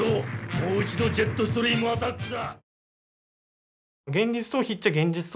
もう一度ジェットストリームアタックだ！